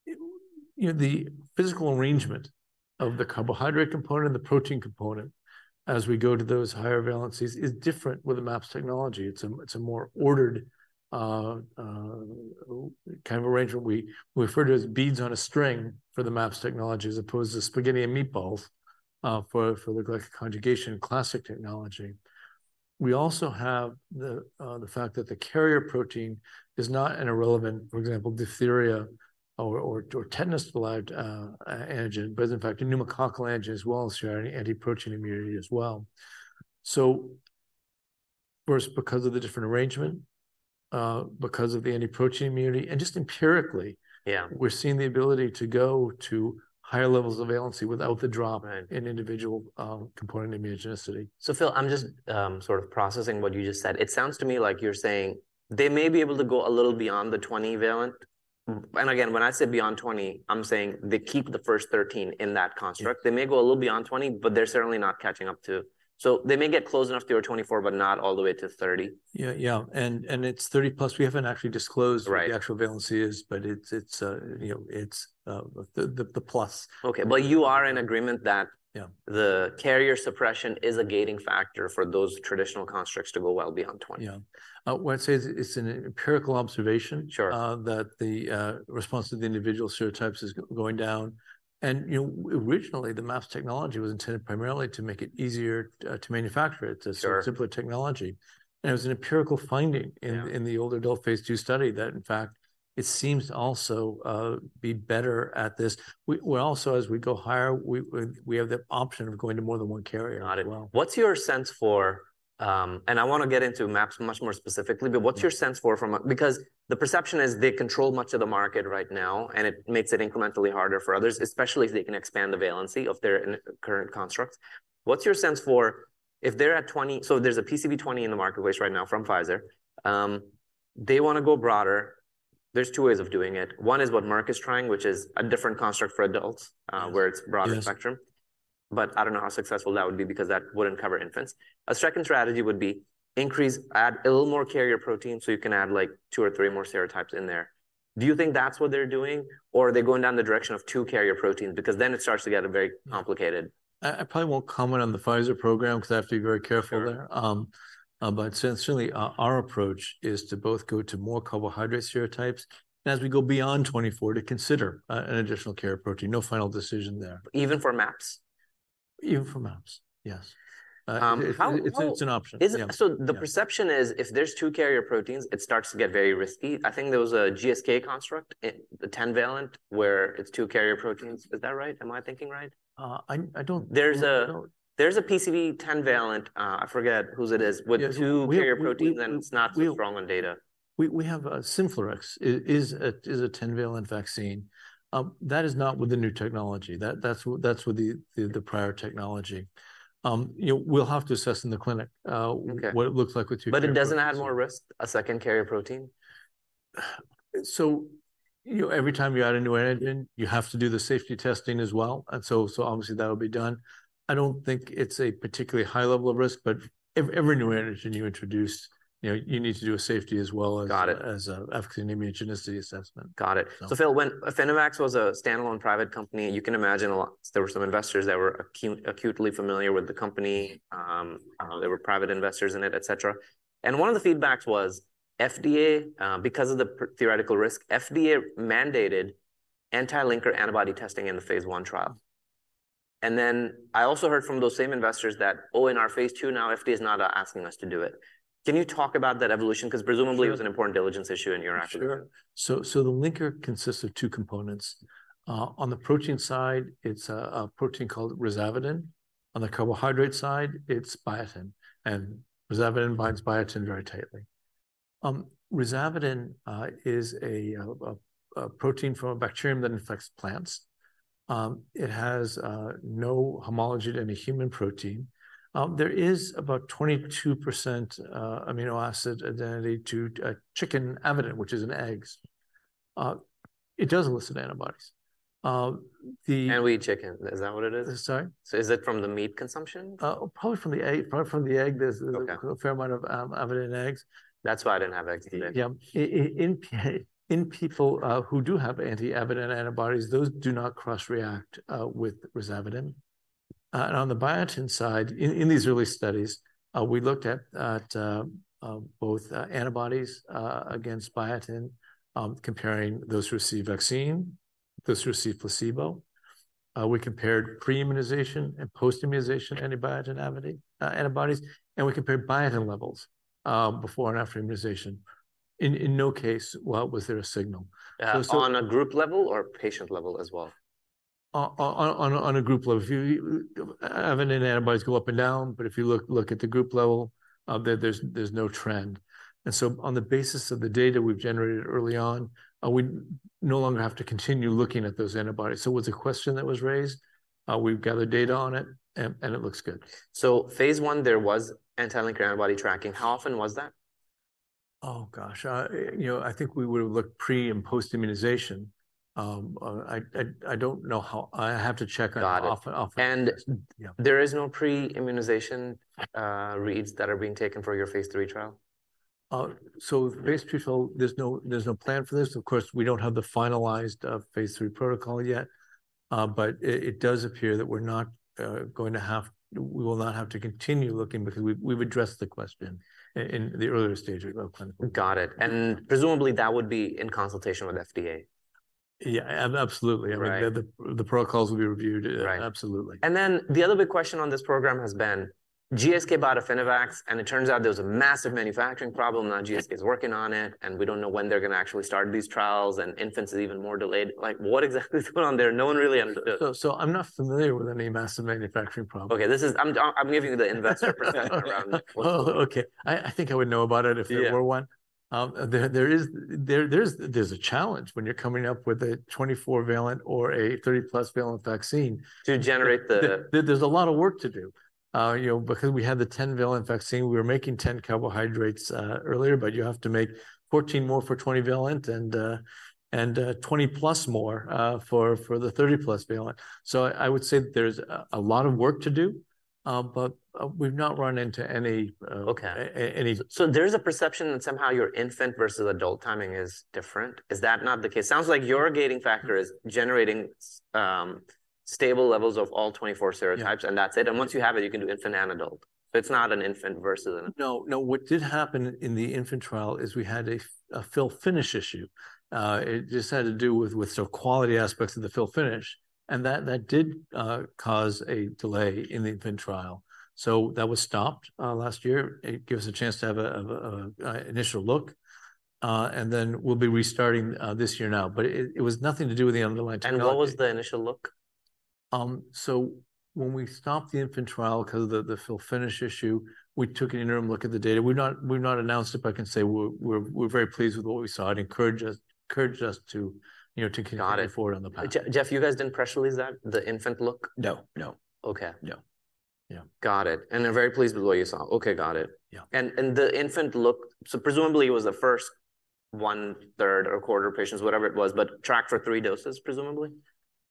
Speaker 3: You know, the physical arrangement of the carbohydrate component and the protein component as we go to those higher valencies is different with the MAPS technology. It's a more ordered kind of arrangement. We refer to it as beads on a string for the MAPS technology, as opposed to spaghetti and meatballs for the glycoconjugation classic technology. We also have the fact that the carrier protein is not an irrelevant, for example, diphtheria or tetanus-related antigen, but is in fact a pneumococcal antigen as well as sharing anti-protein immunity as well. So first, because of the different arrangement, because of the anti-protein immunity, and just empirically-
Speaker 1: Yeah....
Speaker 3: we're seeing the ability to go to higher levels of valency without the drop in individual component immunogenicity.
Speaker 1: So Phil, I'm just, sort of processing what you just said. It sounds to me like you're saying they may be able to go a little beyond the 20-valent. Again, when I say beyond 20, I'm saying they keep the first 13 in that construct.
Speaker 3: Yeah.
Speaker 1: They may go a little beyond 20, but they're certainly not catching up to... So they may get close enough to your 24, but not all the way to 30.
Speaker 3: Yeah. And it's 30+. We haven't actually disclosed-
Speaker 1: Right...
Speaker 3: what the actual valency is, but it's, you know, it's the plus.
Speaker 1: Okay, but you are in agreement that-
Speaker 3: Yeah....
Speaker 1: the carrier suppression is a gating factor for those traditional constructs to go well beyond 20?
Speaker 3: Yeah. What I'd say is, it's an empirical observation-
Speaker 1: Sure....
Speaker 3: that the response to the individual serotypes is going down. And, you know, originally, the MAPS technology was intended primarily to make it easier to manufacture it.
Speaker 1: Sure.
Speaker 3: It's a simpler technology. It was an empirical finding-
Speaker 1: Yeah....
Speaker 3: in the older adult phase II study that, in fact, it seems to also be better at this. We also, as we go higher, we have the option of going to more than one carrier as well.
Speaker 1: Got it. What's your sense for... And I want to get into MAPS much more specifically but what's your sense for? Because the perception is they control much of the market right now, and it makes it incrementally harder for others, especially if they can expand the valency of their current construct. What's your sense for if they're at 20? So there's a PCV 20 in the marketplace right now from Pfizer. They wanna go broader. There's two ways of doing it. One is what Merck is trying, which is a different construct for adults, where it's broader spectrum.
Speaker 3: Yes.
Speaker 1: I don't know how successful that would be, because that wouldn't cover infants. A second strategy would be increase, add a little more carrier protein, so you can add, like, two or three more serotypes in there. Do you think that's what they're doing, or are they going down the direction of two carrier proteins? Because then it starts to get very complicated.
Speaker 3: I probably won't comment on the Pfizer program, because I have to be very careful there.
Speaker 1: Sure.
Speaker 3: But since certainly our approach is to both go to more carbohydrate serotypes, and as we go beyond 24, to consider an additional carrier protein. No final decision there.
Speaker 1: Even for MAPS?
Speaker 3: Even for MAPS, yes.
Speaker 1: How-
Speaker 3: It's an option. Yeah....
Speaker 1: so the perception is, if there's two carrier proteins, it starts to get very risky. I think there was a GSK construct, it, the 10-valent, where it's two carrier proteins. Is that right? Am I thinking right?
Speaker 3: I don't-
Speaker 1: There's a-
Speaker 3: No. ...
Speaker 1: there's a PCV 10-valent, I forget whose it is-
Speaker 3: Yes....
Speaker 1: with two carrier proteins, and it's not so strong in data.
Speaker 3: We have Synflorix, it is a 10-valent vaccine. That is not with the new technology. That's with the prior technology. You know, we'll have to assess in the clinic.
Speaker 1: Okay....
Speaker 3: what it looks like with two carrier proteins.
Speaker 1: It doesn't add more risk, a second carrier protein?...
Speaker 3: So, you know, every time you add a new antigen, you have to do the safety testing as well, and so obviously that will be done. I don't think it's a particularly high level of risk, but every new antigen you introduce, you know, you need to do a safety as well as-
Speaker 1: Got it....
Speaker 3: efficacy and immunogenicity assessment.
Speaker 1: Got it.
Speaker 3: So-
Speaker 1: So Phil, when Affinivax was a standalone private company, you can imagine a lot-- there were some investors that were acutely familiar with the company, there were private investors in it, et cetera. And one of the feedbacks was FDA... Because of the theoretical risk, FDA mandated anti-linker antibody testing in the phase I trial. And then I also heard from those same investors that, "Oh, in our phase II now, FDA is not asking us to do it." Can you talk about that evolution? 'Cause presumably it was an important diligence issue in your acquisition.
Speaker 3: Sure. So, the linker consists of two components. On the protein side, it's a protein called rhizavidin. On the carbohydrate side, it's biotin, and rhizavidin binds biotin very tightly. Rezavudin is a protein from a bacterium that infects plants. It has no homology to any human protein. There is about 22% amino acid identity to chicken avidin, which is in eggs. It does elicit antibodies. The-
Speaker 1: We eat chicken, is that what it is?
Speaker 3: Sorry?
Speaker 1: Is it from the meat consumption?
Speaker 3: Probably from the egg, probably from the egg.
Speaker 1: Okay.
Speaker 3: There's a fair amount of avidin in eggs.
Speaker 1: That's why I didn't have eggs today.
Speaker 3: Yeah. In people who do have anti-avidin antibodies, those do not cross-react with rezavudin. And on the biotin side, in these early studies, we looked at both antibodies against biotin, comparing those who received vaccine, those who received placebo. We compared pre-immunization and post-immunization anti-biotin avidin antibodies, and we compared biotin levels before and after immunization. In no case was there a signal, so-
Speaker 1: On a group level or patient level as well?
Speaker 3: On a group level. If avidin antibodies go up and down, but if you look at the group level, there’s no trend. So on the basis of the data we’ve generated early on, we no longer have to continue looking at those antibodies. So it was a question that was raised, we’ve gathered data on it, and it looks good.
Speaker 1: So phase I, there was anti-linker antibody tracking. How often was that?
Speaker 3: Oh, gosh, you know, I think we would've looked pre- and post-immunization. I don't know how... I have to check on-
Speaker 1: Got it....
Speaker 3: how often. Yeah.
Speaker 1: There is no pre-immunization reads that are being taken for your phase III trial?
Speaker 3: So phase III trial, there's no plan for this. Of course, we don't have the finalized phase III protocol yet. But it does appear that we're not going to have, we will not have to continue looking because we've addressed the question in the earlier stages of clinical.
Speaker 1: Got it. Presumably, that would be in consultation with FDA?
Speaker 3: Yeah, absolutely.
Speaker 1: Right.
Speaker 3: I mean, the protocols will be reviewed-
Speaker 1: Right.
Speaker 3: Absolutely.
Speaker 1: Then the other big question on this program has been, GSK bought Affinivax, and it turns out there was a massive manufacturing problem. Now, GSK is working on it, and we don't know when they're gonna actually start these trials, and infants is even more delayed. Like, what exactly is going on there? No one really understood.
Speaker 3: So, I'm not familiar with any massive manufacturing problem.
Speaker 1: Okay, this is... I'm giving you the investor perspective-
Speaker 3: Oh, okay. I think I would know about it if there-
Speaker 1: Yeah...
Speaker 3: were one. There is a challenge when you're coming up with a 24-valent or a 30+-valent vaccine-
Speaker 1: To generate the-
Speaker 3: There, a lot of work to do. You know, because we had the 10-valent vaccine, we were making 10 carbohydrates earlier, but you have to make 14 more for 20-valent and 20+ more for the 30+-valent. So I would say there's a lot of work to do, but we've not run into any-
Speaker 1: Okay. So there's a perception that somehow your infant versus adult timing is different. Is that not the case? Sounds like your gating factor is generating stable levels of all 24 serotypes-
Speaker 3: Yeah....
Speaker 1: and that's it. And once you have it, you can do infant and adult. So it's not an infant versus an-
Speaker 3: No, what did happen in the infant trial is we had a fill-finish issue. It just had to do with sort of quality aspects of the fill finish, and that did cause a delay in the infant trial. So that was stopped last year. It gave us a chance to have an initial look, and then we'll be restarting this year now. But it was nothing to do with the underlying technology.
Speaker 1: What was the initial look?
Speaker 3: So when we stopped the infant trial because of the fill-finish issue, we took an interim look at the data. We've not announced it, but I can say we're very pleased with what we saw. It encouraged us to, you know, to continue-
Speaker 1: Got it....
Speaker 3: forward on the path.
Speaker 1: Jeff, you guys didn't press release that, the infant look?
Speaker 2: No.
Speaker 1: Okay.
Speaker 2: No. Yeah.
Speaker 1: Got it. And are very pleased with what you saw. Okay, got it.
Speaker 2: Yeah.
Speaker 1: And the infant look, so presumably it was the first one-third or quarter patients, whatever it was, but tracked for three doses, presumably?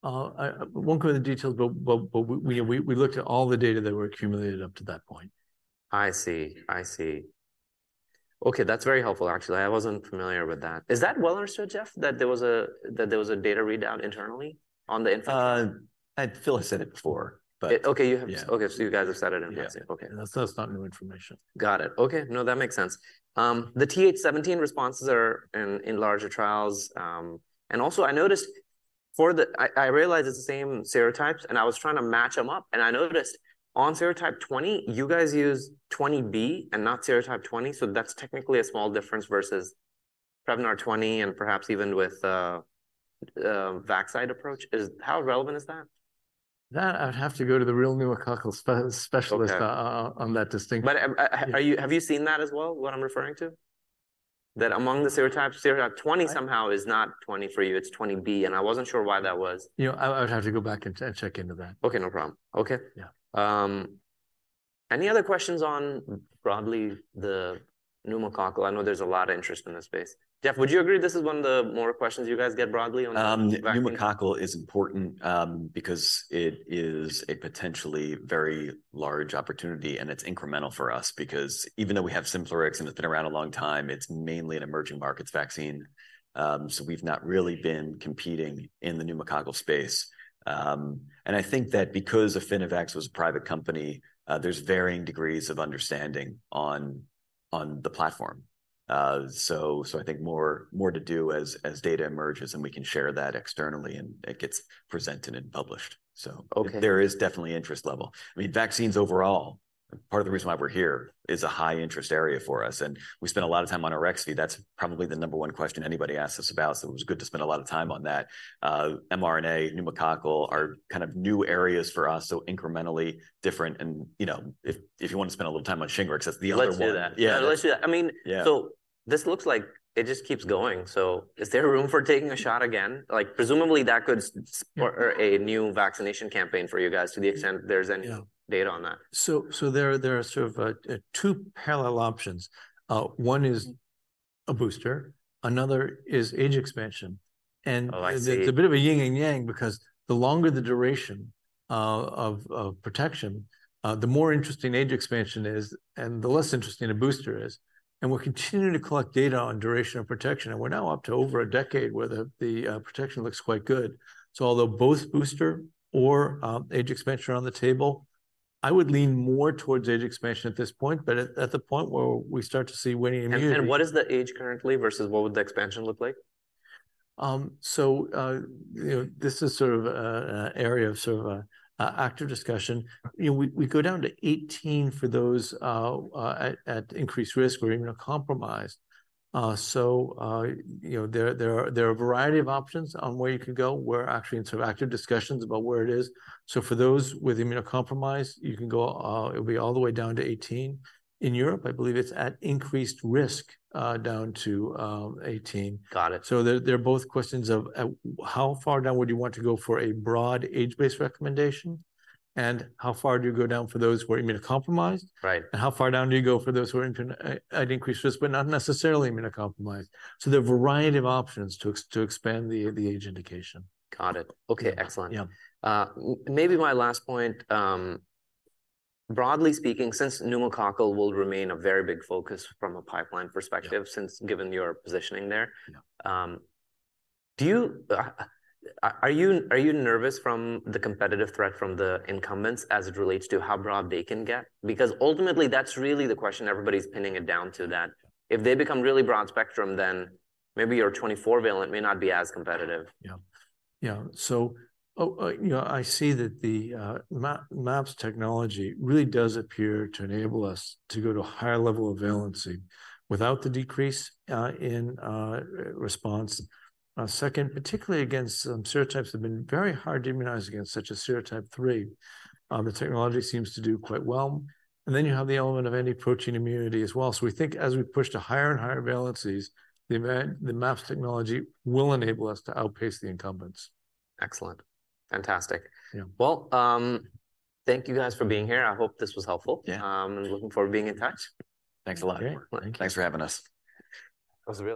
Speaker 3: I won't go into details, but we looked at all the data that were accumulated up to that point.
Speaker 1: I see. Okay, that's very helpful actually. I wasn't familiar with that. Is that well understood, Jeff, that there was a data readout internally on the infant trial?
Speaker 2: Phil has said it before, but-
Speaker 1: Okay, you have-
Speaker 2: Yeah.
Speaker 1: Okay, so you guys have said it in passing.
Speaker 2: Yeah.
Speaker 1: Okay.
Speaker 3: It's not new information.
Speaker 1: Got it. Okay, no, that makes sense. The Th17 responses are in larger trials. And also I noticed for the... I realized it's the same serotypes, and I was trying to match them up, and I noticed on serotype 20, you guys use 20B and not serotype 20, so that's technically a small difference versus Prevnar 20 and perhaps even with Vaxneuvance approach. How relevant is that?
Speaker 3: That I'd have to go to the real pneumococcal specialist-
Speaker 1: Okay...
Speaker 3: on that distinction.
Speaker 1: But, have you seen that as well, what I'm referring to? That among the serotypes, serotype 20 somehow is not 20 for you, it's 20B, and I wasn't sure why that was.
Speaker 3: You know, I'd have to go back and check into that.
Speaker 1: Okay, no problem. Okay.
Speaker 3: Yeah.
Speaker 1: Any other questions on broadly the pneumococcal? I know there's a lot of interest in this space. Jeff, would you agree this is one of the more questions you guys get broadly on the-
Speaker 2: Pneumococcal is important because it is a potentially very large opportunity, and it's incremental for us. Because even though we have Synflorix, and it's been around a long time, it's mainly an emerging markets vaccine. We've not really been competing in the pneumococcal space. And I think that because Affinivax was a private company, there's varying degrees of understanding on the platform. So I think more to do as data emerges, and we can share that externally, and it gets presented and published. So-
Speaker 1: Okay.
Speaker 2: There is definitely interest level. I mean, vaccines overall, part of the reason why we're here, is a high interest area for us, and we spent a lot of time on Arexvy. That's probably the number one question anybody asks us about, so it was good to spend a lot of time on that. mRNA, pneumococcal are kind of new areas for us, so incrementally different, and, you know, if you want to spend a little time on SHINGRIX, that's the other one.
Speaker 1: Let's do that.
Speaker 2: Yeah.
Speaker 1: Let's do that. I mean-
Speaker 2: Yeah.
Speaker 1: This looks like it just keeps going. Is there room for taking a shot again? Like, presumably, that could support a new vaccination campaign for you guys to the extent there's any-
Speaker 3: Yeah ...
Speaker 1: data on that.
Speaker 3: So there are sort of two parallel options. One is a booster, another is age expansion. And-
Speaker 1: Oh, I see.
Speaker 3: It's a bit of a yin and yang because the longer the duration of protection, the more interesting age expansion is, and the less interesting a booster is. And we're continuing to collect data on duration of protection, and we're now up to over a decade where the protection looks quite good. So although both booster or age expansion are on the table, I would lean more towards age expansion at this point, but at the point where we start to see waning immunity-
Speaker 1: What is the age currently versus what would the expansion look like?
Speaker 3: So, you know, this is sort of an area of sort of active discussion. You know, we go down to 18 for those at increased risk or immunocompromised. So, you know, there are a variety of options on where you could go. We're actually in sort of active discussions about where it is. So for those with immunocompromised, you can go, it'll be all the way down to 18. In Europe, I believe it's at increased risk down to 18.
Speaker 1: Got it.
Speaker 3: So they're both questions of how far down would you want to go for a broad age-based recommendation, and how far do you go down for those who are immunocompromised?
Speaker 1: Right.
Speaker 3: How far down do you go for those who are at increased risk, but not necessarily immunocompromised? So there are a variety of options to expand the age indication.
Speaker 1: Got it. Okay, excellent.
Speaker 3: Yeah.
Speaker 1: Maybe my last point, broadly speaking, since pneumococcal will remain a very big focus from a pipeline perspective-
Speaker 3: Yeah...
Speaker 1: since given your positioning there-
Speaker 3: Yeah...
Speaker 1: do you, are you nervous from the competitive threat from the incumbents as it relates to how broad they can get? Because ultimately, that's really the question everybody's pinning it down to, that if they become really broad spectrum, then maybe your 24-valent may not be as competitive.
Speaker 3: Yeah. Yeah. So, you know, I see that MAPS technology really does appear to enable us to go to a higher level of valency without the decrease in response. Second, particularly against some serotypes that have been very hard to immunize against, such as serotype three, the technology seems to do quite well. And then, you have the element of any protein immunity as well. So we think as we push to higher and higher valencies, the MAP- the MAPS technology will enable us to outpace the incumbents.
Speaker 1: Excellent. Fantastic.
Speaker 3: Yeah.
Speaker 1: Well, thank you guys for being here. I hope this was helpful.
Speaker 3: Yeah.
Speaker 1: Looking forward to being in touch.
Speaker 2: Thanks a lot.
Speaker 3: Great.
Speaker 2: Thanks for having us.
Speaker 3: That was a pleasure.